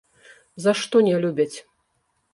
За што не любяць?